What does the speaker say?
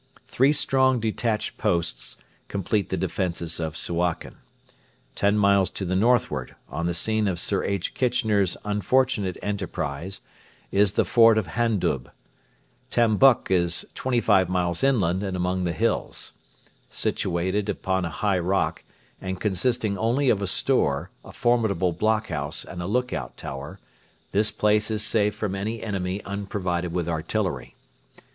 Three strong detached posts complete the defences of Suakin. Ten miles to the northward, on the scene of Sir H. Kitchener's unfortunate enterprise, is the fort of Handub. Tambuk is twenty five miles inland and among the hills. Situate upon a high rock, and consisting only of a store, a formidable blockhouse, and a lookout tower, this place is safe from any enemy unprovided with artillery.